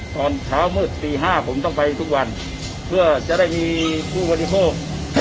ตอนเช้ามืดตี๕ผมต้องไปทุกวันเพื่อจะได้มีผู้บริโภค